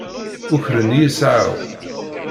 Ukren-iyi ssaɛa-w.